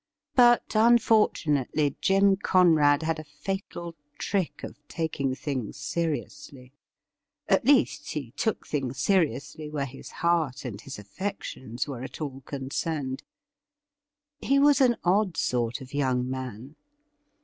But, unfortunately, Jim Conrad had a fatal trick of taking things seriously. At least, he took things seriously where his heart and his aiFections were at all concerned. He was an odd sort of young man.